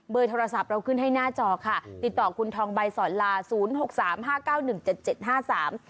โดยโทรศัพท์เราขึ้นให้หน้าจอค่ะติดต่อคุณทองใบสอนลาศูนย์หกสามห้าเก้าหนึ่งเจ็ดเจ็ดห้าสาม